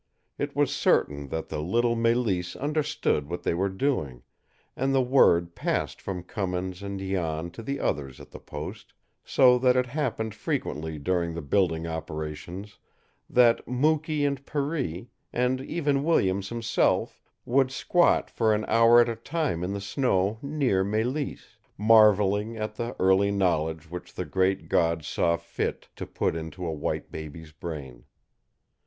It was certain that the little Mélisse understood what they were doing, and the word passed from Cummins and Jan to the others at the post, so that it happened frequently during the building operations that Mukee and Per ee, and even Williams himself, would squat for an hour at a time in the snow near Mélisse, marveling at the early knowledge which the great God saw fit to put into a white baby's brain.